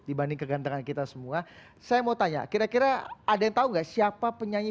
dibanding kegantengan kita semua saya mau tanya kira kira ada yang tahu nggak siapa penyanyi